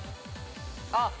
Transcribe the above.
あっ。